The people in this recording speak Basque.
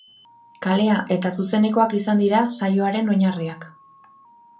Kalea eta zuzenekoak izan dira saioren oinarriak.